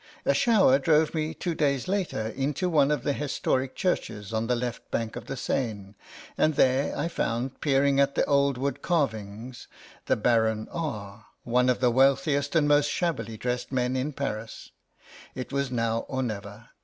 A shower drove me, two days later, into one of the historic churches on the left bank of the Seine, and there I found, peering at the old wood carvings, the Baron R., one of the wealthiest and most shabbily dressed men in Paris. It was now or never.